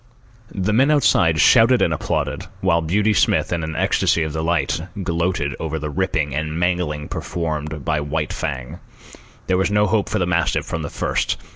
The men outside shouted and applauded, while Beauty Smith, in an ecstasy of delight, gloated over the ripping and mangling performed by White Fang. There was no hope for the mastiff from the first.